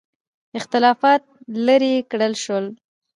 اختلافات لیرې کړل شول.